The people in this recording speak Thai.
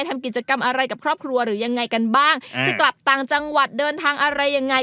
ทำกิจกรรมอะไรกับครอบครัวหรือยังไงกันบ้างจะกลับต่างจังหวัดเดินทางอะไรยังไง